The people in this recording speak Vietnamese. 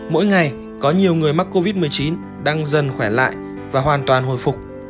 mỗi ngày có nhiều người mắc covid một mươi chín đang dần khỏe lại và hoàn toàn hồi phục